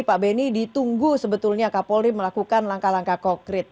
pak beni ditunggu sebetulnya kapolri melakukan langkah langkah konkret